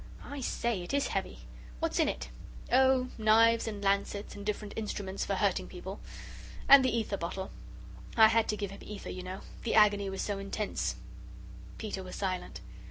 I say, it is heavy what's in it?" "Oh, knives and lancets and different instruments for hurting people. And the ether bottle. I had to give him ether, you know the agony was so intense." Peter was silent.